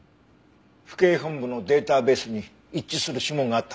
府警本部のデータベースに一致する指紋があった。